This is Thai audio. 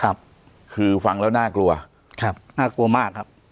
ครับคือฟังแล้วน่ากลัวครับน่ากลัวมากครับ